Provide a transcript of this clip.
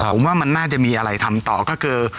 ผมว่ามันน่าจะมีอะไรทำต่อก็คือ